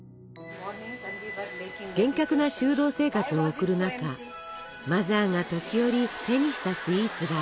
厳格な修道生活を送る中マザーが時折手にしたスイーツがありました。